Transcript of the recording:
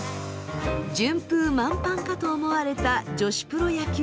順風満帆かと思われた女子プロ野球リーグ。